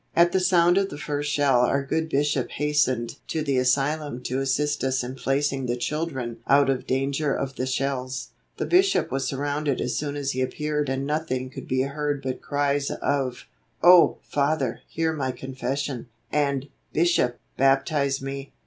At the sound of the first shell our good Bishop hastened to the asylum to assist us in placing the children out of danger of the shells. The Bishop was surrounded as soon as he appeared and nothing could be heard but cries of 'Oh, Father, hear my confession,' and 'Bishop, baptize me.